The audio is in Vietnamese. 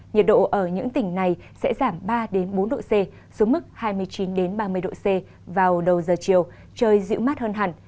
nhiệt độ ở những tỉnh này sẽ giảm ba bốn độ c xuống mức hai mươi chín ba mươi độ c vào đầu giờ chiều trời dịu mát hơn hẳn